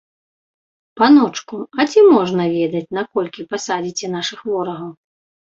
Паночку, а ці можна ведаць, на колькі пасадзіце нашых ворагаў?